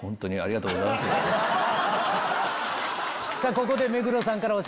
ここで。